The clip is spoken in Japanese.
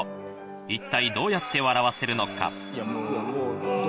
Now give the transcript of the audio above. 一体どうやって笑わせるのか。